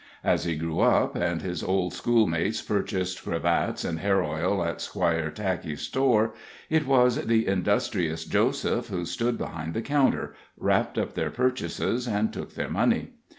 As he grew up, and his old school mates purchased cravats and hair oil at Squire Tackey's store, it was the industrious Joseph who stood behind the counter, wrapped up their purchases, and took their money.